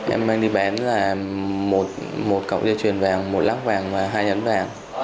em mang đi bán là một cộng dây chuyền vàng một lác vàng và hai nhấn vàng